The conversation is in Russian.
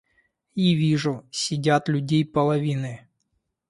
И вижу: сидят людей половины.